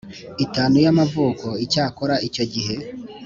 itanu y amavuko Icyakora icyo gihe